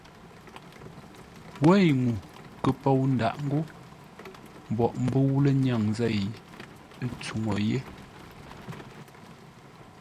Wêi ŋuu kə pou ndǎʼ ńgó mboʼ mbə̂u lənyaŋ zêi tsúŋu yé.